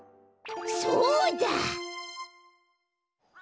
そうだ！